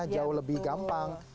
jauh lebih gampang